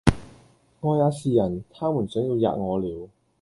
我也是人，他們想要喫我了！